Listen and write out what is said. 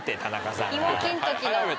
田中さんが。